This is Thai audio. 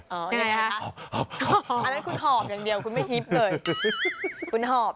อ๋อยังไงค่ะอันนั้นคุณหอบอย่างเดียวคุณไม่ฮิปเลย